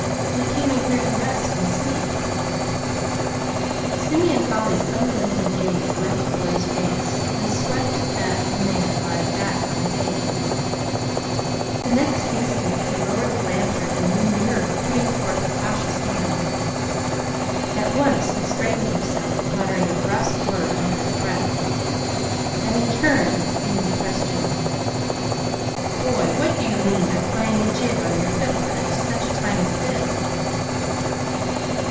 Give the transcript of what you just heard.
We came in here to rest and sleep." Simeon Holly's unrelenting gaze left the boy's face and swept that of the man lying back on the hay. The next instant he lowered the lantern and leaned nearer, putting forth a cautious hand. At once he straightened himself, muttering a brusque word under his breath. Then he turned with the angry question: "Boy, what do you mean by playing a jig on your fiddle at such a time as this?"